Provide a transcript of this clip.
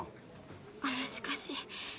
あのしかし。